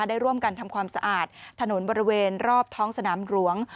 ได้ร่วมกันทำความสะอาดถนนบริเวณรอบท้องสนามหลวง